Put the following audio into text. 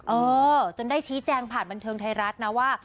เออจนได้ชี้แจงผ่านบันเทิงไทยรัฐนะว่า